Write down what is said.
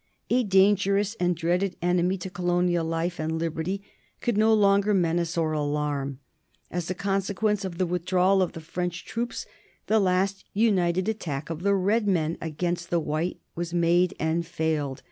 A dangerous and dreaded enemy to colonial life and liberty could no longer menace or alarm. As a consequence of the withdrawal of the French troops the last united attack of the red men against the white was made and failed.